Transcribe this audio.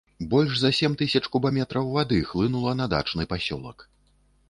Больш за сем тысяч кубаметраў вады хлынула на дачны пасёлак.